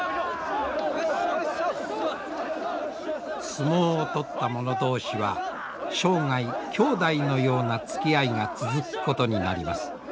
相撲を取った者同士は生涯兄弟のようなつきあいが続くことになります。